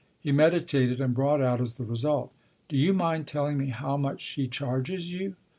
He meditated, and brought out as the result : "Do you mind telling me how much she charges you